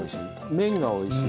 麺がおいしい？